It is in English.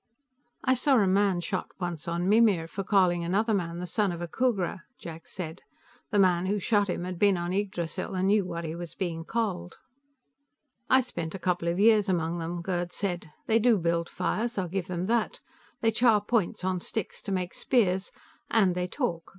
"I saw a man shot once on Mimir, for calling another man a son of a Khooghra," Jack said. "The man who shot him had been on Yggdrasil and knew what he was being called." "I spent a couple of years among them," Gerd said. "They do build fires; I'll give them that. They char points on sticks to make spears. And they talk.